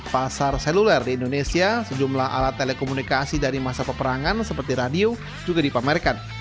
pasar seluler di indonesia sejumlah alat telekomunikasi dari masa peperangan seperti radio juga dipamerkan